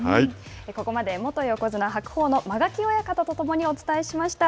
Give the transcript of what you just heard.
ここまで元横綱・白鵬の間垣親方と共にお伝えしました。